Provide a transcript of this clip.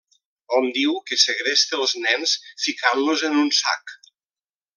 Hom diu que segresta els nens ficant-los en un sac.